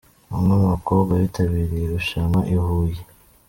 Bamwe mu bakobwa bitabiriye irushanwa i Huye.